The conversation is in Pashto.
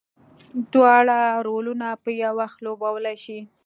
دواړه رولونه په یو وخت لوبولی شي.